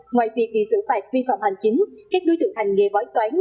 ngoài việc bị xử phạt vi phạm hành chính các đối tượng hành nghề bói toán